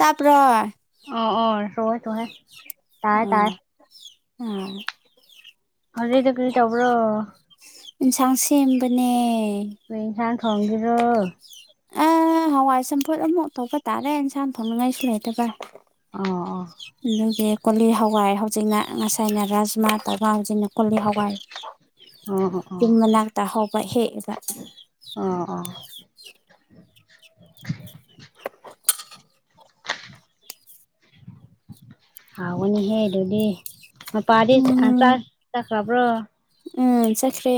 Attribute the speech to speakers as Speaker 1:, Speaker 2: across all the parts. Speaker 1: ꯇꯥꯄ꯭ꯔꯥ
Speaker 2: ꯑꯥ ꯑꯥ [unintelligible]
Speaker 1: ꯎꯝ ꯎꯝ
Speaker 2: ꯍꯧꯖꯤꯛꯇꯣ ꯀꯔꯤ ꯇꯧꯕ꯭ꯔꯣ
Speaker 1: ꯏꯟꯁꯥꯡ ꯁꯦꯝꯕꯅꯦ
Speaker 2: ꯀꯔꯤ ꯏꯟꯁꯥꯡ ꯊꯣꯡꯒꯦꯔꯣ
Speaker 1: ꯑꯥ ꯍꯋꯥꯏ ꯆꯝꯐꯨꯠ ꯑꯃꯨꯛ ꯊꯣꯛꯧꯕ ꯇꯥꯔꯦ ꯏꯟꯁꯥꯡ ꯊꯣꯡꯅꯤꯡꯉꯥꯏꯁꯨ ꯂꯩꯇꯕ
Speaker 2: ꯑꯣ ꯑꯣ
Speaker 1: ꯑꯗꯨꯒꯤ ꯀꯣꯂꯤ ꯍꯋꯥꯏ ꯍꯧꯖꯤꯛꯅ ꯉꯁꯥꯏꯅ ꯔꯥꯖꯃꯥ ꯇꯕꯥ ꯍꯧꯖꯤꯛꯅ ꯀꯣꯂꯤ ꯍꯋꯥꯏ
Speaker 2: ꯑꯣ ꯑꯣ ꯑꯣ
Speaker 1: ꯌꯨꯝ ꯃꯅꯥꯛꯇ ꯍꯧꯕ ꯍꯦꯛꯑꯒ
Speaker 2: ꯑꯥ ꯑꯥ
Speaker 1: [inaudible]
Speaker 2: ꯍꯥꯎꯒꯅꯤꯍꯦ ꯑꯗꯨꯗꯤ ꯃꯄꯥꯗꯤ ꯆꯥꯛ
Speaker 1: ꯎꯝ
Speaker 2: ꯆꯥꯕ ꯆꯠꯈꯥꯕ꯭ꯔꯣ
Speaker 1: ꯎꯝ ꯆꯠꯈ꯭ꯔꯦ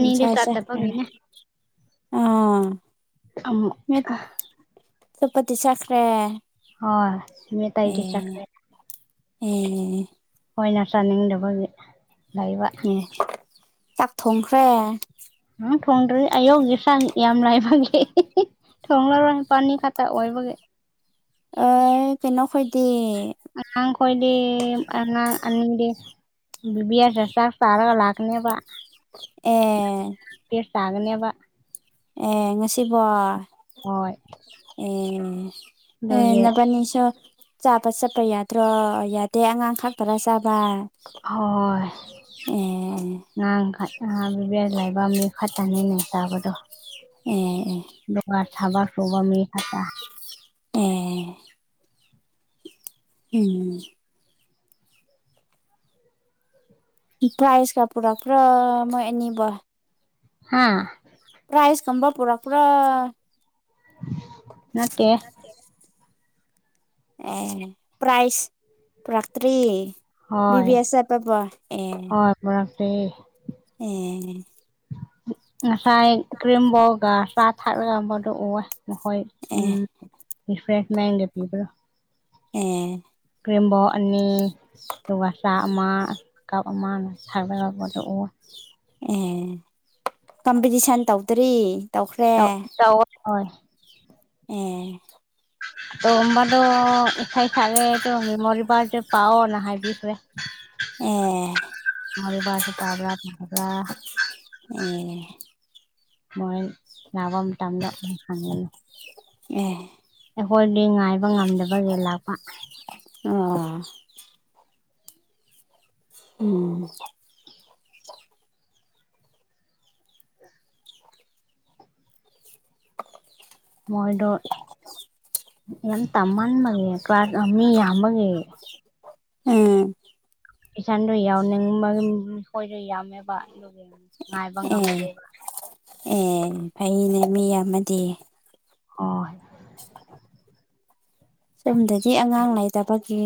Speaker 1: ꯉꯁꯥꯏ ꯆꯠꯈ꯭ꯔꯦ ꯑꯥ
Speaker 2: [unintelligible] ꯑꯃꯨꯛ ꯑꯥ
Speaker 1: ꯆꯠꯄꯇꯤ ꯆꯠꯈ꯭ꯔꯦ
Speaker 2: ꯍꯣꯏ ꯃꯤ ꯑꯇꯩꯗꯤ
Speaker 1: ꯑꯦ
Speaker 2: ꯆꯠꯈ꯭ꯔꯦ
Speaker 1: ꯑꯦ
Speaker 2: ꯑꯣꯏꯅ ꯆꯥꯅꯤꯡꯗꯕꯒꯤ ꯂꯩꯕ
Speaker 1: ꯑꯦ ꯆꯥꯛ ꯊꯣꯡꯈ꯭ꯔꯦ
Speaker 2: ꯑꯪ ꯊꯣꯡꯗ꯭ꯔꯦ ꯑꯌꯧꯒꯤ ꯁꯥ ꯌꯥꯝ ꯂꯥꯏꯕꯒꯤ ꯊꯣꯡꯂꯔꯣꯏ ꯄꯥꯅꯤ ꯈꯛꯇ ꯑꯣꯏꯕꯒꯤ
Speaker 1: ꯑꯦ ꯀꯩꯅꯣ ꯈꯣꯏꯗꯤ
Speaker 2: ꯅꯪ ꯀꯣꯏꯗꯤ ꯑꯉꯥꯡ ꯑꯅꯤꯗꯤ ꯕꯤꯕꯤ [unintelligible] ꯆꯥꯛ ꯇꯔꯒ ꯂꯥꯛꯅꯦꯕ
Speaker 1: ꯑꯦ
Speaker 2: ꯕꯦꯁ ꯇꯥꯒꯅꯦꯕ
Speaker 1: ꯑꯦ ꯉꯁꯤꯕꯣ
Speaker 2: ꯍꯣꯏ
Speaker 1: ꯑꯦ
Speaker 2: ꯑꯗꯨꯒꯤ
Speaker 1: ꯅꯥꯕꯥꯟꯅꯤꯁꯨ ꯆꯥꯕ ꯆꯠꯄ ꯌꯥꯗ꯭ꯔꯣ ꯌꯥꯗꯦ ꯑꯉꯥꯡ ꯈꯛꯇꯥꯔ ꯆꯥꯕ
Speaker 2: ꯍꯣꯏ
Speaker 1: ꯑꯦ
Speaker 2: ꯑꯉꯥꯡ ꯂꯩꯕ ꯃꯤ ꯈꯛꯇꯅꯤꯅꯦ ꯇꯥꯕꯗꯣ
Speaker 1: ꯑꯦ ꯑꯦ
Speaker 2: ꯑꯗꯨꯒ ꯊꯕꯛ ꯁꯨꯕ ꯃꯤ ꯈꯥꯇꯥ
Speaker 1: ꯑꯦ ꯑꯨꯝ ꯄ꯭ꯔꯥꯏꯁ ꯀ ꯄꯨꯔ ꯄꯨꯔꯥ ꯃ ꯑꯦꯅꯤꯕꯨ
Speaker 2: ꯍꯥꯥ
Speaker 1: ꯄ꯭ꯔꯥꯏꯁꯀꯨꯝꯝꯕ ꯄꯨꯔꯥꯛꯄ꯭ꯔꯣ
Speaker 2: ꯅꯠꯇꯦ
Speaker 1: ꯑꯦ ꯄ꯭ꯔꯥꯏꯁ ꯄꯨꯔꯛꯇ꯭ꯔꯤ
Speaker 2: ꯍꯣ
Speaker 1: ꯕꯤꯕꯤ ꯑꯦꯁ ꯆꯠꯄꯕꯣ ꯑꯦ
Speaker 2: ꯍꯣ ꯄꯨꯔꯛꯇ꯭ꯔꯤ
Speaker 1: ꯑꯦ
Speaker 2: ꯉꯁꯥꯏ ꯀ꯭ꯔꯤꯝꯕꯣꯔꯒ ꯆꯥ ꯊꯥꯛꯔꯒ ꯐꯣꯇꯣ ꯑꯨꯕ ꯅꯈꯣꯏ
Speaker 1: ꯑꯦ
Speaker 2: ꯑꯨꯝ ꯔꯤꯐ꯭ꯔꯦꯁ ꯃꯦꯟꯒꯦ ꯄꯤꯕ꯭ꯔꯣ
Speaker 1: ꯑꯦ
Speaker 2: ꯀ꯭ꯔꯤꯝꯕꯣ ꯑꯅꯤ
Speaker 1: [unintelligible]
Speaker 2: ꯑꯗꯨꯒ ꯆꯥꯛ ꯑꯃ ꯀꯞ ꯑꯃ [unintelligible] ꯑꯨꯕ
Speaker 1: ꯑꯦ ꯀꯝꯄꯤꯇꯤꯁꯟ ꯇꯧꯗ꯭ꯔꯤ ꯇꯧꯈ꯭ꯔꯦ
Speaker 2: ꯇꯧꯋꯦ ꯍꯣꯏ
Speaker 1: ꯑꯦ
Speaker 2: ꯇꯣꯝꯕꯗꯣ ꯏꯁꯩꯏ ꯁꯛꯑꯦ [inaudible] ꯄꯥꯛꯑꯣꯅ ꯍꯥꯏꯕꯤꯒ꯭ꯔꯦ
Speaker 1: ꯑꯦ
Speaker 2: [unintelligible]
Speaker 1: ꯑꯦ
Speaker 2: ꯃꯣꯏ ꯅꯕ ꯃꯇꯝꯗ ꯐꯡꯒꯅꯤ
Speaker 1: ꯑꯦ
Speaker 2: ꯑꯩꯈꯣꯏꯗꯤ ꯉꯥꯏꯕ ꯉꯝꯗꯕꯒꯤ ꯂꯥꯛꯄ
Speaker 1: ꯑꯣ ꯑꯣ
Speaker 2: ꯃꯣꯏꯗꯣ ꯌꯥꯝ ꯇꯝꯃꯟꯕꯒꯤ ꯀ꯭ꯂꯥꯁ ꯑ ꯃꯤ ꯌꯥꯝꯃꯒꯤ
Speaker 1: ꯑꯨꯝ
Speaker 2: ꯏꯁꯟꯗꯣ ꯌꯥꯎ ꯅꯤꯡꯕ ꯈꯣꯏꯗꯣ ꯌꯥꯎꯃꯦꯕ ꯑꯗꯨꯒ ꯉꯥꯏꯕ
Speaker 1: ꯑꯦ
Speaker 2: ꯉꯝꯂꯗꯦꯕ
Speaker 1: ꯑꯦ ꯐꯩꯅ ꯃꯤ ꯑꯃꯗꯤ
Speaker 2: ꯍꯣꯏ
Speaker 1: ꯁꯣꯝꯗꯗꯤ ꯑꯉꯥꯡ ꯂꯩꯇꯕꯒꯤ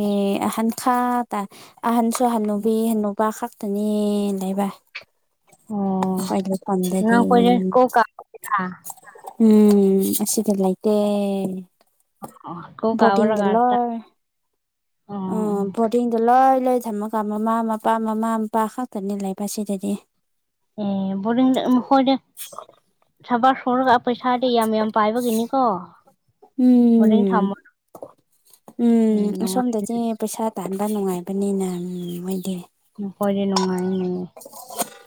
Speaker 1: ꯑꯍꯟ ꯈꯥ ꯇ ꯑꯍꯟꯁꯨ ꯍꯜꯟꯅꯨꯕꯤ ꯍ ꯅꯨꯕꯥ ꯈꯛꯇꯅꯤ ꯂꯩꯕ
Speaker 2: ꯑꯣ
Speaker 1: ꯑꯩꯈꯣꯏ
Speaker 2: ꯅ
Speaker 1: ꯂꯩꯐꯝꯗꯗꯤ
Speaker 2: ꯀꯣꯏ [unintelligible]
Speaker 1: ꯑꯨꯝ ꯑꯁꯤꯁꯗꯂꯥꯏꯇꯦ
Speaker 2: [unintelligible] ꯑꯣ
Speaker 1: ꯑꯨꯝ ꯕꯣꯔꯗꯤꯡꯗꯣ ꯂꯣꯏ ꯂꯣꯏ ꯊꯝꯃꯒ ꯃꯃꯥ ꯃꯄꯥ ꯃꯃꯥ ꯃꯄꯥ ꯈꯛꯇꯅꯤ ꯂꯩꯕ ꯁꯤꯗꯗꯤ
Speaker 2: ꯑꯨꯝ ꯕꯣꯔꯗꯤꯡꯗ ꯃꯈꯣꯏꯗꯤ ꯊꯕꯛ ꯁꯨꯔꯒ ꯄꯩꯁꯥꯗꯤ ꯌꯥꯝ ꯌꯥꯝ ꯄꯥꯏꯕꯒꯤꯅꯤꯀꯣ ꯕꯣꯔꯗꯤꯡ
Speaker 1: ꯑꯨꯝ
Speaker 2: ꯊꯝꯕ ꯎꯝ
Speaker 1: ꯑꯨꯝ ꯁꯣꯝꯗꯗꯤ
Speaker 2: ꯅꯨꯡꯉꯥꯏ
Speaker 1: ꯑ ꯄꯩꯁꯥ ꯇꯥꯟꯕ ꯅꯨꯡꯉꯥꯏꯕꯅꯤꯅ ꯃꯣꯏꯗꯤ
Speaker 2: ꯅꯈꯣꯏꯗꯤ ꯅꯨꯡꯉꯥꯏꯅꯣ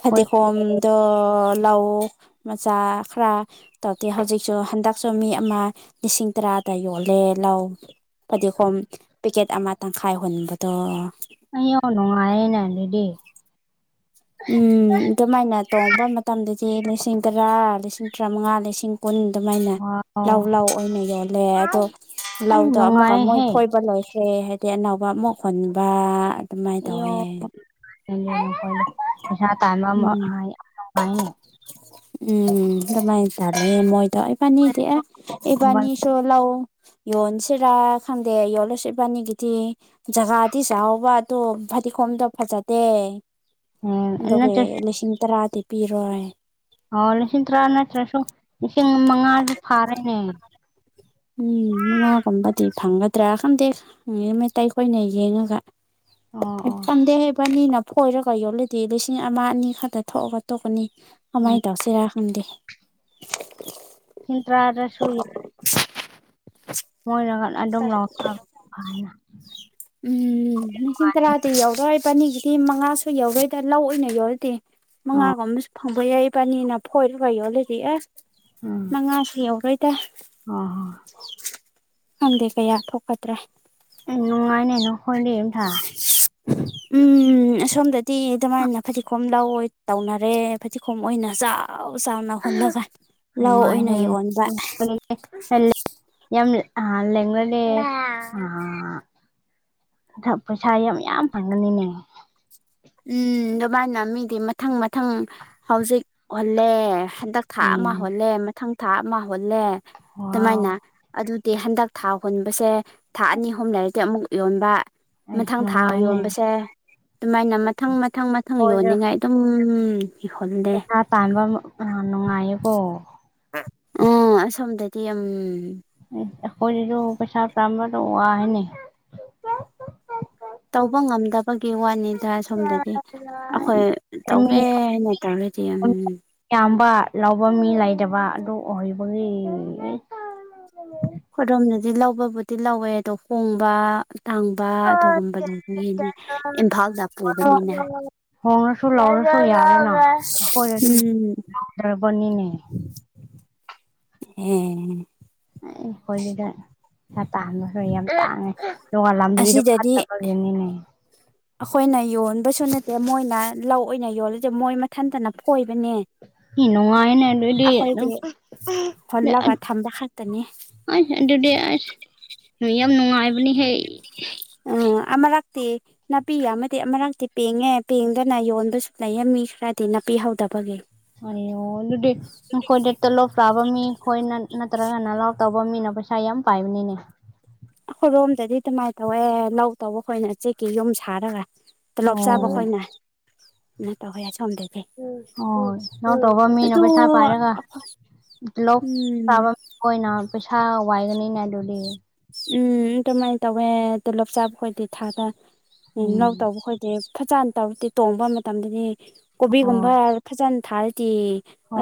Speaker 2: ꯍꯣꯏ [unintelligible]
Speaker 1: ꯗꯣ ꯂꯧ ꯃꯆꯥ ꯈꯔ ꯇꯧꯗꯦ ꯍꯧꯖꯤꯛꯁꯨ ꯍꯟꯗꯛꯁꯨ ꯃꯤ ꯑꯃ ꯂꯤꯁꯤꯡ ꯇꯔꯥꯗ ꯌꯣꯜꯂꯦ ꯂꯧ ꯐꯗꯤꯒꯣꯝ ꯄꯦꯛꯀꯦꯠ ꯑꯃ ꯇꯪꯈꯥꯏ ꯍꯨꯟꯕꯗꯣ
Speaker 2: [unintelligible] ꯅꯨꯡꯉꯥꯏꯌꯦꯅ ꯑꯗꯨꯗꯤ
Speaker 1: ꯎꯝ ꯑꯗꯨꯃꯥꯏꯅ ꯇꯣꯡꯕ ꯃꯇꯝꯗꯗꯤ ꯂꯤꯁꯤꯡ ꯇꯔꯥ ꯂꯤꯁꯤꯡ ꯇꯔꯥꯃꯉꯥ ꯂꯤꯁꯤꯡ ꯀꯨꯟ ꯑꯗꯨꯃꯥꯏꯅ
Speaker 2: ꯋꯥꯎ
Speaker 1: ꯂꯧ ꯂꯧ ꯑꯣꯏꯅ ꯌꯣꯜꯂꯦ ꯑꯗꯣ
Speaker 2: ꯑꯩ
Speaker 1: ꯂꯧꯗꯣ ꯑꯃꯨꯛꯀ ꯃꯣꯏ
Speaker 2: ꯅꯨꯡꯉꯥꯏꯍꯦ
Speaker 1: ꯐꯣꯏꯕ ꯂꯣꯏ ꯔꯦ ꯍꯥꯏꯔꯗꯤ ꯑꯅꯧꯕ ꯑꯃꯨꯛ ꯍꯨꯟꯕ ꯑꯗꯨꯃꯥꯏꯅ ꯇꯧꯋꯦ ꯎꯝ
Speaker 2: [unintelligible] ꯍꯥꯏꯅꯦ
Speaker 1: ꯎꯝ ꯑꯗꯨꯃꯥꯏ ꯇꯥꯗ꯭ꯔꯦ ꯃꯣꯏꯗꯣ ꯏꯕꯥꯅꯤꯗꯤ ꯑ ꯏꯕꯥꯅꯤꯁꯨ ꯂꯧ ꯌꯣꯟꯁꯤꯔꯥ ꯈꯪꯗꯦ ꯌꯣꯜꯂꯁꯨ ꯏꯕꯥꯅꯤꯒꯤꯗꯤ ꯖꯒꯥꯗꯤ ꯆꯥꯎꯕ ꯑꯗꯨ ꯐꯗꯤꯈꯣꯝꯗꯣ ꯐꯖꯗꯦ
Speaker 2: ꯅꯨꯡꯉꯥꯏꯅꯦ
Speaker 1: ꯑꯗꯨꯒꯤ
Speaker 2: ꯅꯠꯇ꯭ꯔꯁꯨ
Speaker 1: ꯂꯤꯁꯤꯡ ꯇꯔꯥꯗꯤ ꯄꯤꯔꯣꯏ
Speaker 2: ꯑꯣ ꯂꯤꯁꯤꯡ ꯇꯔꯥ ꯅꯠꯇ꯭ꯔꯁꯨ ꯂꯤꯁꯤꯡ ꯃꯉꯥꯁꯨ ꯐꯥꯔꯦꯅꯦ
Speaker 1: ꯎꯝ ꯃꯃꯥꯒꯨꯝꯕꯗꯤ ꯐꯪꯒꯗ꯭ꯔꯥ ꯈꯪꯗꯦ ꯃꯩꯇꯩꯈꯣꯏꯅ ꯌꯦꯡꯉꯒ
Speaker 2: ꯑꯣ ꯑꯣ
Speaker 1: ꯄꯟꯗꯦ ꯍꯩꯕꯅꯤꯅ ꯐꯣꯏꯔꯒ ꯌꯣꯟꯂꯗꯤ ꯂꯤꯁꯤꯡ ꯑꯃ ꯑꯅꯤ ꯈꯛꯇ ꯊꯣꯛꯑꯒ ꯇꯣꯛ ꯀꯅꯤ ꯑꯗꯨꯃꯥꯏ
Speaker 2: ꯎꯝ
Speaker 1: ꯇꯧꯁꯤꯔ ꯈꯪꯗꯦ
Speaker 2: ꯂꯤꯁꯤꯡ ꯇꯔꯥꯗꯁꯨꯨ
Speaker 1: [inaudible]
Speaker 2: ꯃꯣꯏ [unintelligible]
Speaker 1: ꯎꯝ ꯂꯤꯁꯤꯡ ꯇꯔꯥꯗꯤ ꯌꯧꯔꯣꯏ ꯏꯕꯥꯅꯤꯒꯤꯗꯤ ꯃꯉꯥ ꯁꯨ ꯌꯧꯔꯣꯏꯗ ꯂꯧ ꯑꯣꯏꯅ ꯌꯣꯟꯂꯗꯤ
Speaker 2: ꯑꯣ
Speaker 1: ꯃꯉꯥꯒꯨꯝꯕꯁꯨ ꯐꯪꯕ ꯌꯥꯏ ꯏꯕꯥꯅꯤꯅ ꯐꯣꯏꯔꯒ ꯌꯣꯜꯂꯗꯤ ꯑꯁ
Speaker 2: ꯎꯝ
Speaker 1: ꯃꯉꯥꯁꯨ ꯌꯧꯔꯣꯏꯗ
Speaker 2: ꯑꯣ ꯍꯣ
Speaker 1: ꯈꯪꯗꯦ ꯀꯌꯥ ꯊꯣꯛꯀꯗ꯭ꯔꯥ
Speaker 2: ꯑꯦ ꯅꯨꯡꯉꯥꯏꯅꯦ ꯅꯈꯣꯏꯗꯤ [unintelligible]
Speaker 1: ꯎꯝ ꯑꯁꯣꯝꯗꯗꯤ ꯑꯗꯨꯃꯥꯏꯅ ꯐꯗꯤꯒꯣꯝ ꯂꯧꯑꯣꯏ ꯇꯧꯅꯔꯦ ꯐꯗꯤꯒꯣꯝ ꯑꯣꯏꯅ ꯆꯥ ꯆꯥꯎ ꯆꯥꯎꯅ ꯍꯨꯜꯂꯒ ꯂꯧ ꯑꯣꯏꯅ
Speaker 2: ꯅꯨꯡꯉꯥꯏꯍꯦ
Speaker 1: ꯌꯣꯟꯕ
Speaker 2: [unintelligible] ꯑꯗꯨ ꯄꯩꯁꯥ ꯌꯥꯝ ꯌꯥꯝ ꯐꯪꯒꯅꯤꯅꯦ
Speaker 1: ꯎꯝ ꯑꯗꯨꯃꯥꯏꯅ ꯃꯤꯗꯤ ꯃꯊꯪ ꯃꯊꯪ ꯍꯧꯖꯤꯛ ꯍꯨꯟꯂꯦ ꯍꯟꯗꯛ ꯊꯥ ꯑꯃ
Speaker 2: ꯎꯝ
Speaker 1: ꯍꯨꯜꯂꯦ ꯃꯊꯪ ꯊꯥ ꯑꯃ ꯍꯨꯜꯂꯦ ꯑꯗꯨꯃꯥꯏꯅ
Speaker 2: ꯋꯥꯎ
Speaker 1: ꯑꯗꯨꯗꯤ ꯍꯟꯗꯛ ꯊꯥ ꯍꯨꯟꯕꯁꯦ ꯊꯥ ꯑꯅꯤ ꯑꯍꯨꯝ ꯂꯩꯔꯗꯤ ꯑꯃꯨꯛ ꯌꯣꯟꯕ
Speaker 2: ꯑꯩꯁ
Speaker 1: ꯃꯊꯪ ꯊꯥ
Speaker 2: ꯅꯨꯡꯉꯥꯏꯅꯦ
Speaker 1: ꯌꯣꯟꯕꯁꯦ ꯑꯗꯨꯃꯥꯏꯅ ꯃꯊꯪ ꯃꯊꯪ ꯃꯊꯪ
Speaker 2: ꯍꯣꯏꯗ
Speaker 1: ꯌꯣꯟꯅꯤꯡꯉꯥꯏ ꯑꯗꯨꯝ ꯍꯨꯟꯂꯦ
Speaker 2: ꯄꯥꯟꯕ ꯑ ꯅꯨꯡꯉꯥꯏꯌꯦꯀꯣ
Speaker 1: ꯎꯝ ꯑꯁꯣꯝꯗꯗꯤ ꯎꯝ
Speaker 2: ꯑꯦ ꯑꯩꯈꯣꯏꯗꯁꯨ ꯄꯩꯁꯥ ꯇꯥꯟꯕꯗꯣ ꯋꯥꯏꯅꯦ
Speaker 1: ꯇꯧꯕ ꯉꯝꯗꯕ ꯄꯒꯤ ꯋꯥꯅꯤꯗ ꯑꯁꯣꯝꯗꯗꯤ ꯑꯩꯈꯣꯏ
Speaker 2: ꯃꯤ
Speaker 1: ꯇꯧꯒꯦꯅ ꯍꯥꯏꯅ ꯇꯧꯔꯗꯤ ꯎꯝ
Speaker 2: ꯌꯥꯝꯕ ꯂꯧꯕ ꯃꯤ ꯂꯩꯇꯕ ꯑꯗꯨ ꯑꯣꯏꯕꯒꯤ [unintelligible]
Speaker 1: ꯑꯩꯈꯣꯏꯔꯣꯝꯗꯗꯤ ꯂꯧꯕꯕꯨꯗꯤ ꯂꯧꯋꯦ ꯑꯗꯣ ꯍꯣꯡꯕ ꯇꯥꯡꯕ ꯑꯗꯨꯒꯨꯝꯕꯗꯨꯒꯤꯅꯦ ꯏꯝꯐꯥꯜꯗ ꯄꯨꯕꯅꯤꯅꯦ
Speaker 2: ꯍꯣꯡꯔꯁꯨ ꯂꯧ
Speaker 1: ꯎꯝ
Speaker 2: [unintelligible] ꯂꯧꯗ꯭ꯔꯕꯅꯤꯅꯦ
Speaker 1: ꯑꯦ
Speaker 2: ꯑꯦ ꯑꯩꯈꯣꯏꯗꯨꯗ ꯄꯩꯁꯥ ꯇꯥꯟꯕꯁꯨ ꯌꯥꯝ ꯇꯥꯡꯉꯦ ꯑꯗꯨꯒ ꯂꯝꯕꯤꯗꯣ
Speaker 1: ꯑꯁꯤꯗꯗꯤ
Speaker 2: ꯐꯠꯇꯕ ꯑꯗꯨꯅꯤꯅꯦ
Speaker 1: ꯑꯩꯈꯣꯏꯅ ꯌꯣꯟꯕꯁꯨ ꯅꯠꯇꯦ ꯃꯣꯏꯅ ꯂꯧ ꯑꯣꯏꯅ ꯌꯣꯜꯂꯗꯤ ꯃꯣꯏ ꯃꯊꯟꯇꯅ ꯈꯣ꯫
Speaker 2: ꯏꯅꯨꯡꯉꯥꯏꯅꯦ ꯑꯗꯨꯗꯤ
Speaker 1: ꯍꯣꯜꯂꯒ ꯊꯝꯕ ꯈꯛꯇꯅꯤ
Speaker 2: [unintelligible] ꯑ ꯑꯗꯨꯗꯤ ꯑꯁ ꯌꯥꯝ ꯅꯨꯡꯉꯥꯏꯕꯅꯤꯍꯦ
Speaker 1: ꯑꯅꯤꯃꯥ ꯑꯃꯔꯛꯇꯤ ꯅꯥꯄꯤ ꯌꯝꯃꯥꯗꯤ ꯑꯃꯥꯔꯛꯇꯤ ꯄꯦꯡꯉꯦ ꯄꯦꯡꯗꯅ ꯌꯣꯟꯕꯁꯨ ꯂꯩꯌꯦ ꯃꯤ ꯈꯔꯗꯤ ꯅꯥꯄꯤ ꯍꯧꯗꯕꯒꯤ
Speaker 2: ꯑꯅꯤꯌꯣ ꯑꯗꯨꯗꯤ ꯅꯈꯣꯏꯗꯤ ꯇꯣꯂꯣꯞ ꯆꯥꯕꯥ ꯃꯤꯈꯣꯏꯅꯥ ꯅꯠꯇ꯭ꯔꯒ ꯅꯂꯥꯎ ꯇꯧꯕ ꯃꯤꯅ ꯄꯩꯁꯥ ꯌꯥꯝ ꯄꯥꯏꯕꯅꯤꯅꯦ
Speaker 1: ꯈꯣꯏꯔꯣꯝꯗꯗꯤ ꯗꯨꯃꯥꯏꯅ ꯇꯧꯋꯦ ꯂꯧ ꯇꯧꯕꯈꯣꯏꯅ ꯆꯦꯛꯀꯤ ꯌꯨꯝ ꯁꯥꯔꯒ ꯇꯣꯂꯣꯞ ꯆꯥꯕ
Speaker 2: ꯑꯣ
Speaker 1: ꯈꯣꯏꯅ ꯀꯩꯅꯣ ꯇꯧꯋꯦ ꯑꯁꯣꯝꯗꯗꯤ
Speaker 2: ꯍꫭꯏ ꯂꯧ ꯇꯧꯕ ꯃꯤꯅ
Speaker 1: ꯑꯗꯣ
Speaker 2: ꯄꯩꯁꯥ ꯄꯥꯏꯔꯒ ꯂꯧ
Speaker 1: ꯎꯝ
Speaker 2: ꯇꯧꯕ ꯈꯣꯏꯅ ꯄꯩꯁꯥ ꯋꯥꯏꯒꯅꯤꯅꯦ ꯑꯗꯨꯗꯤ
Speaker 1: ꯎꯝ ꯑꯗꯨꯃꯥꯏꯅ ꯇꯧꯋꯦ ꯇꯣꯂꯣꯞ ꯆꯥꯕ ꯈꯣꯏꯗꯤ ꯊꯥꯗ ꯂꯧ
Speaker 2: ꯎꯝ
Speaker 1: ꯇꯧꯕ ꯈꯣꯏ ꯇꯤꯞ ꯐꯖꯅ ꯇꯧꯗꯤ ꯇꯣꯡꯕ ꯃꯇꯝꯗꯗꯤ ꯀꯣꯕꯤꯒꯨꯝꯕ
Speaker 2: ꯍꯣꯏ
Speaker 1: ꯐꯖꯅ ꯊꯥꯔꯗꯤ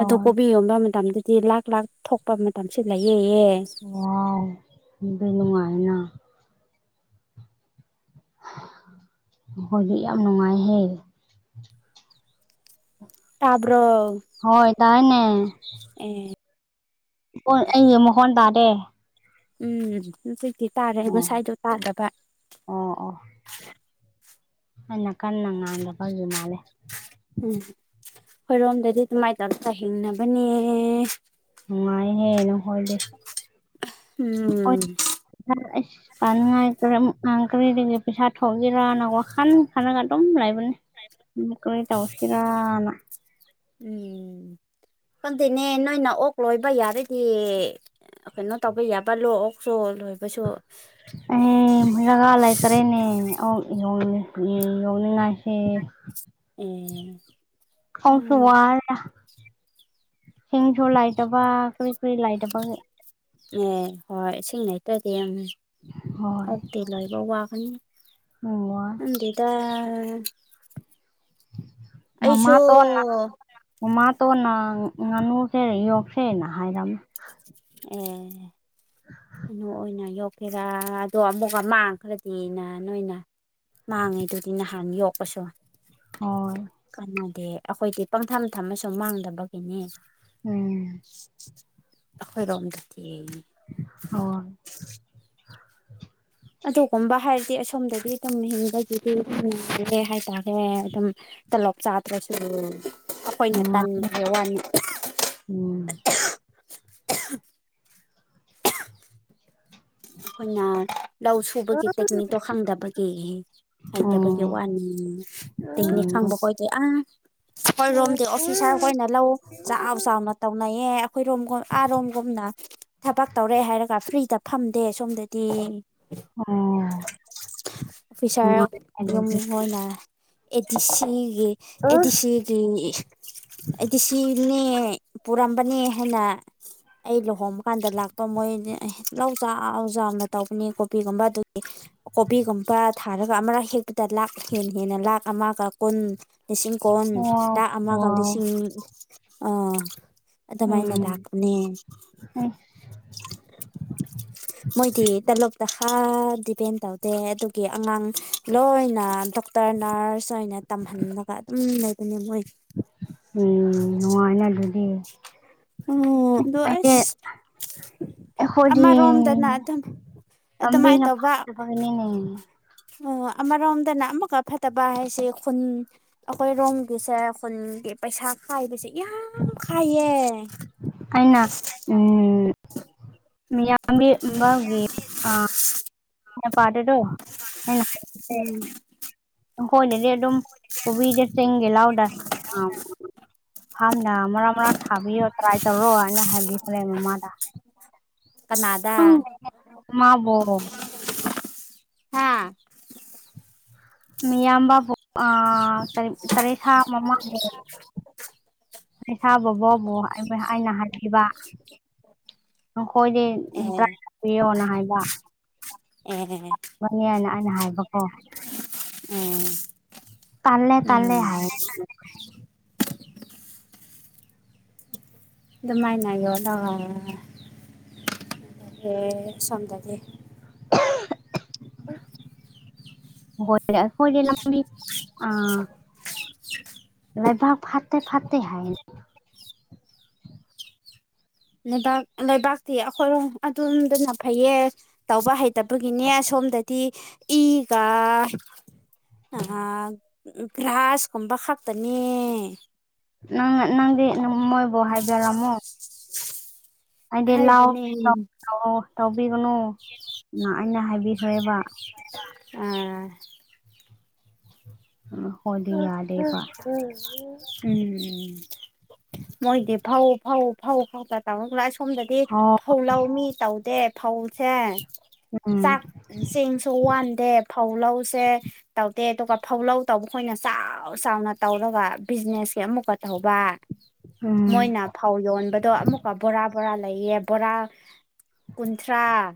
Speaker 1: ꯑꯗꯨ ꯀꯣꯕꯤ ꯌꯣꯟꯕ ꯃꯇꯝꯗꯗꯤ ꯂꯥꯛ ꯂꯥꯛ ꯊꯣꯛꯄ ꯃꯇꯝꯁꯤ ꯂꯩꯌꯦꯌꯦ
Speaker 2: ꯋꯥꯎ ꯑꯗꯨꯗꯤ ꯅꯨꯡꯉꯥꯏꯅ꯫ ꯃꯈꯣꯏꯗꯤ ꯌꯥꯝ ꯅꯨꯡꯉꯥꯏꯍꯦ
Speaker 1: ꯇꯥꯕ꯭ꯔꯣ?
Speaker 2: ꯍꯣꯏ ꯇꯥꯏꯅꯦ
Speaker 1: ꯑꯦ
Speaker 2: ꯑꯣ ꯑꯩꯒꯤ ꯃꯥꯈꯣꯟ ꯇꯥꯗꯦ?
Speaker 1: ꯎꯝ ꯍꯧꯖꯤꯛꯇꯤ ꯇꯥꯔꯦ
Speaker 2: ꯑꯣ
Speaker 1: ꯉꯁꯥꯏꯗꯣ ꯇꯥꯗꯕ
Speaker 2: ꯑꯣ ꯑꯣ ꯑꯩꯅ ꯀꯟꯅ ꯉꯥꯡꯗꯕꯒꯤ ꯃꯥꯜꯂꯦ
Speaker 1: ꯎꯝ ꯈꯣꯏꯔꯣꯝꯗꯗꯤ ꯑꯗꯨꯃꯥꯏꯅ ꯇꯧꯔꯒ ꯍꯤꯡꯅꯕꯅꯦ
Speaker 2: ꯅꯨꯡꯉꯥꯏꯔꯦꯅꯦ ꯅꯈꯣꯏꯗꯤ꯫
Speaker 1: ꯎꯝ꯫
Speaker 2: ꯑꯩꯈꯣꯏꯗꯤ ꯑꯁ ꯀꯅꯉꯥꯏ ꯀꯔꯝ ꯅ ꯀꯔꯤꯗꯒꯤ ꯄꯩꯁꯥ ꯊꯣꯛꯒꯦꯔ ꯅ ꯋꯈꯟ ꯈꯜꯂꯒꯥ ꯑꯗꯨꯝ ꯂꯩꯕꯅꯤ꯫ ꯎꯝ ꯀꯔꯤ ꯇꯧꯁꯤꯔꯥꯅ
Speaker 1: ꯎꯝ ꯈꯪꯗꯦꯅꯦ ꯅꯣꯏꯅ ꯑꯣꯛ ꯂꯣꯏꯕ ꯌꯥꯔꯗꯤ ꯑꯥ ꯀꯩꯅꯣ ꯇꯧꯕ ꯌꯥꯕ ꯂꯣ ꯑꯣꯛ ꯁꯨ ꯂꯣꯏꯕꯁꯨ
Speaker 2: ꯑꯩ ꯖꯒꯥ ꯂꯩꯇꯔꯦꯅꯦ ꯑꯣꯛ ꯌꯣꯟꯅꯤ ꯌꯣꯟꯅꯤꯡꯉꯥꯏꯁꯦ
Speaker 1: ꯎꯝ
Speaker 2: ꯈꯣꯁꯤꯔꯥ [unintelligible] ꯁꯤꯡꯁꯨꯨ ꯂꯥꯏꯇꯕ ꯀꯔꯤ ꯀꯔꯤ ꯂꯩꯥꯏꯇꯕꯒꯤ꯫
Speaker 1: ꯎꯝ ꯍꯣꯏ ꯏꯁꯤꯡ ꯂꯩꯇꯗꯤ
Speaker 2: ꯍꯣꯏ
Speaker 1: ꯑꯣꯛꯇꯤ ꯂꯣꯏꯕ ꯋꯥꯒꯅꯤ
Speaker 2: ꯎꯝ ꯋꯥꯏ
Speaker 1: ꯈꯪꯗꯦꯗ
Speaker 2: ꯃꯃꯥ
Speaker 1: ꯑꯩꯁꯨ
Speaker 2: ꯇꯣꯟꯅ ꯃꯃꯥꯇꯣꯟꯅ ꯉꯥꯅꯨꯁꯦ ꯌꯣꯛꯁꯦꯅ ꯍꯥꯏꯔꯝꯃꯦ
Speaker 1: ꯎꯝ ꯉꯥꯅꯨ ꯑꯣꯏꯅ ꯌꯣꯛ ꯄꯦꯔꯥꯗꯣ ꯑꯃꯨꯛꯀ ꯑꯃꯥꯡꯈ꯭ꯔꯗꯤꯅ ꯅꯣꯏꯅ ꯃꯥꯡꯉꯤꯗꯨꯗꯤ ꯅꯍꯥꯟ ꯌꯣꯛꯄꯁꯨ
Speaker 2: ꯍꯣꯏ
Speaker 1: ꯀꯅꯥꯗꯦ ꯑꯩꯈꯣꯏꯗꯤ ꯄꯪꯊꯝ ꯊꯝꯃꯦ ꯁꯨꯝ ꯃꯥꯡꯗꯕꯒꯤꯅꯦ
Speaker 2: ꯎꯝ
Speaker 1: ꯑꯈꯣꯏꯔꯣꯝꯗꯗꯤ
Speaker 2: ꯑꯣ
Speaker 1: ꯑꯗꯨꯒꯨꯝꯕ ꯍꯥꯏꯔꯗꯤ ꯑꯁꯣꯝꯗꯗꯤ ꯑꯗꯨꯝ ꯍꯥꯡꯕꯒꯤꯗꯤ [unintelligible] ꯍꯥꯏꯇꯥꯔꯦ ꯑꯦ ꯑꯗꯨꯝ ꯇꯂꯣꯞ ꯆꯥꯗ꯭ꯔꯁꯨ ꯑꯈꯣꯏꯅ
Speaker 2: ꯅꯨꯡꯉꯥꯏꯔꯦ
Speaker 1: ꯇꯟꯗ꯭ꯔꯦ ꯋꯥꯅꯤ
Speaker 2: ꯎꯝ
Speaker 1: ꯈꯣꯏꯅ ꯂꯧ ꯁꯨꯕꯒꯤ ꯇꯦꯛꯀꯅꯤꯛꯇꯣ ꯈꯪꯗꯕꯒꯤ ꯍꯩꯇꯕꯒꯤ
Speaker 2: ꯑꯣ
Speaker 1: ꯋꯥꯅꯤ ꯍꯤꯡꯉꯦ ꯇꯦꯛꯀꯅꯤꯛ
Speaker 2: ꯑꯣ
Speaker 1: ꯈꯪꯕ ꯈꯣꯏꯗꯤ ꯑꯥ ꯑꯁ ꯈꯣꯏꯔꯣꯝꯗꯤ ꯑꯣꯐꯤꯁꯔ ꯍꯣꯏꯅ ꯂꯧ ꯆꯥꯎ ꯆꯥꯎꯅ ꯇꯧꯅꯩꯌꯦ ꯑꯈꯣꯏꯔꯣꯝꯒꯨꯝ ꯑꯥꯔꯣꯝꯒꯨꯝꯅ ꯊꯕꯛ ꯇꯧꯔꯦ ꯍꯥꯏꯔꯒ ꯐ꯭ꯔꯤꯗ ꯐꯝ ꯗꯦ ꯁꯣꯝꯗꯗꯤ
Speaker 2: ꯎꯝ
Speaker 1: ꯑꯣꯐꯤꯁꯥꯔ ꯌꯨꯝ ꯍꯣꯏꯅ ꯑꯦꯗꯤꯁꯤꯒꯤ ꯑꯦꯗꯤꯁꯤꯒꯤ ꯑꯩꯗꯤ ꯁꯤꯅꯦ ꯄꯨꯔꯝꯕꯅꯦ ꯍꯥꯏꯅ ꯑꯩ ꯂꯨꯍꯣꯡꯕ ꯀꯥꯟꯗ ꯂꯥꯛꯄ ꯃꯣꯏꯅꯦ ꯂꯧ ꯆꯥꯎ ꯆꯥꯎꯅ ꯇꯧꯕꯅꯤ ꯀꯣꯕꯤꯒꯨꯝꯕ ꯑꯗꯨꯒꯤ ꯀꯣꯕꯤꯒꯨꯝꯕ ꯊꯥꯔꯒ ꯑꯃꯔꯛ ꯍꯦꯛꯄꯗ ꯂꯥꯛ ꯍꯦꯟ ꯍꯦꯟꯅ ꯂꯥꯛ ꯑꯃꯒ ꯀꯨꯟ ꯂꯤꯁꯤꯡ ꯀꯣꯟ
Speaker 2: ꯑꯣ
Speaker 1: ꯂꯥꯛ ꯑꯃꯒ ꯂꯤꯁꯤꯡ ꯑꯥ ꯑꯗꯨꯃꯥꯏꯅ ꯂꯥꯛꯄꯅꯦ
Speaker 2: ꯎꯝ [unintelligible]
Speaker 1: ꯃꯣꯏꯗꯤ ꯇꯂꯣꯞꯇ ꯍꯥ ꯗꯤꯄꯦꯟ ꯇꯧꯗꯦ ꯑꯗꯨꯒꯤ ꯑꯉꯥꯡ ꯂꯣꯏꯅ ꯇꯔ ꯅꯔꯁ ꯑꯣꯏꯅ ꯇꯝꯍꯜꯂꯒ ꯑꯗꯨꯝ ꯂꯩꯕꯅꯦ ꯃꯣꯏ
Speaker 2: ꯎꯝ ꯅꯨꯡꯉꯥꯏꯅ ꯑꯗꯨꯗꯤ
Speaker 1: ꯎꯝ ꯑꯗꯣ
Speaker 2: ꯑꯩꯗꯤ
Speaker 1: ꯑꯁ
Speaker 2: ꯑꯩꯈꯣꯏꯗꯤ
Speaker 1: ꯑꯃꯔꯣꯝꯗꯅ ꯑꯗꯨꯝ ꯑꯗꯨꯃꯥꯏꯅ
Speaker 2: ꯂꯝꯕꯤꯅ
Speaker 1: ꯇꯧꯕ
Speaker 2: ꯐꯠꯇꯕꯒꯤꯅꯤꯅꯦ
Speaker 1: ꯑꯣ ꯑꯃꯔꯣꯝꯗꯅ ꯑꯃꯛꯀ ꯐꯠꯇꯕ ꯍꯥꯏꯁꯦ ꯈꯨꯟ ꯑꯈꯣꯏ ꯔꯣꯝꯒꯤꯁꯦ ꯈꯨꯟꯒꯤ ꯄꯩꯁꯥ ꯈꯥꯏꯕꯁꯦ ꯌꯥꯝ ꯈꯥꯏꯌꯦ
Speaker 2: ꯑꯩꯅ [unintelligible] ꯑꯃꯒꯤ [unintelligible]
Speaker 1: ꯎꯝ
Speaker 2: ꯑꯈꯣꯏꯅꯗꯤ ꯑꯗꯨꯝ ꯀꯣꯕꯤꯗ ꯆꯦꯡꯒꯤ ꯂꯥꯎꯗ ꯑ ꯐꯥꯝꯅ ꯃꯔꯥꯛ ꯃꯔꯥꯛ ꯊꯥꯕꯤꯌꯣ ꯇ꯭ꯔꯥꯏ ꯇꯧꯔꯣ ꯍꯥꯏꯅ ꯍꯥꯏꯕꯤꯈ꯭ꯔꯦ ꯃꯃꯥꯗ
Speaker 1: ꯀꯅꯥꯗ?
Speaker 2: ꯃꯥꯕꯣ
Speaker 1: ꯍꯥ
Speaker 2: ꯃꯤꯌꯥꯝꯕꯕꯨ ꯑ ꯇ ꯇꯦꯔꯦꯁꯥ ꯃꯃꯥꯡꯉꯣ ꯇꯦꯔꯦꯁꯥ ꯕꯕꯥꯕꯨ ꯑꯩꯅ ꯍꯥꯏꯕꯤꯕ ꯅꯈꯣꯏꯗꯤ ꯎꯝ
Speaker 1: ꯑꯦ
Speaker 2: ꯇ꯭ꯔꯥꯏ ꯇꯥꯛꯄꯤꯌꯣꯅ ꯍꯥꯏꯕ
Speaker 1: ꯑꯣ
Speaker 2: ꯃꯅꯦꯅ ꯑꯩꯅ ꯍꯥꯏꯕꯀꯣ
Speaker 1: ꯎꯝ
Speaker 2: ꯇꯜꯂꯦ ꯇꯜꯂꯦ
Speaker 1: ꯎꯝ
Speaker 2: ꯍꯥꯏꯌꯦ
Speaker 1: ꯑꯗꯨꯃꯥꯏꯅ ꯌꯣꯟꯂꯦ [unintelligible] ꯑꯁꯣꯝꯗꯗꯤ
Speaker 2: [unintelligible] [unintelligible] ꯑꯈꯣꯏꯗꯤ ꯂꯝꯕꯤ ꯑ ꯂꯩꯥꯕꯥꯛ ꯐꯠꯇꯦ ꯐꯠꯇꯦ ꯍꯥꯏ
Speaker 1: ꯂꯩꯕꯥꯛ ꯂꯩꯕꯥꯛꯇꯤ ꯑꯩꯈꯣꯏꯔꯣꯝ ꯑꯗꯨꯝꯗꯅ ꯐꯩꯌꯦ ꯇꯧꯕ ꯍꯩꯇꯕꯒꯤꯅꯦ ꯁꯣꯝꯗꯗꯤ ꯏꯒ [unintelligible] ꯒ꯭ꯔꯥꯁ ꯀꯨꯝꯕ ꯈꯛꯇꯅꯦ
Speaker 2: ꯅꯪꯅ ꯅꯪꯗꯤ ꯅꯪ ꯃꯣꯏꯕꯨ ꯍꯥꯏꯕꯤꯔꯝꯃꯣ
Speaker 1: [unintelligible]
Speaker 2: ꯑꯩꯗꯤ
Speaker 1: ꯍꯥꯏꯕꯅꯦ
Speaker 2: ꯂꯧꯒꯤ [unintelligible] ꯇꯧꯕꯤꯒꯅꯨꯅ ꯑꯩꯅ ꯍꯥꯏꯕꯤꯈ꯭ꯔꯦꯕ
Speaker 1: ꯑꯥ
Speaker 2: ꯑ ꯑꯈꯣꯏꯗꯤ ꯌꯥꯗꯦꯕ
Speaker 1: ꯎꯝ ꯃꯣꯏꯗꯤ ꯐꯧ ꯐꯧ ꯐꯧ ꯐꯧꯇ ꯇꯧꯔ ꯂꯩ ꯁꯣꯝꯗꯗꯤ
Speaker 2: ꯑꯣ
Speaker 1: ꯐꯧ ꯂꯧꯃꯤ ꯇꯧꯗꯦ ꯐꯧꯁꯦ
Speaker 2: ꯎꯝ
Speaker 1: ꯆꯥꯛ ꯆꯦꯡꯁꯨ ꯋꯥꯟꯗꯦ ꯐꯧ ꯂꯧꯁꯦ ꯇꯧꯗꯦ ꯑꯗꯨꯒ ꯐꯧꯂꯧ ꯇꯧꯕꯈꯣꯏꯅ ꯆꯥꯎ ꯆꯥꯎꯅ ꯇꯧꯔꯒ ꯕꯤꯖꯤꯅꯦꯁꯀꯤ ꯑꯃꯨꯛꯀ ꯇꯧꯕ
Speaker 2: ꯎꯝ
Speaker 1: ꯃꯣꯏꯅ ꯐꯧ ꯌꯣꯟꯕꯗꯣ ꯑꯃꯨꯛꯀ ꯕꯣꯔꯥ ꯕꯣꯔꯥ ꯂꯩꯌꯦ ꯕꯣꯔꯥ ꯀꯨꯟꯊ꯭ꯔꯥ